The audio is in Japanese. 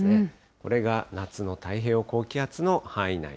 これが夏の太平洋高気圧の範囲内。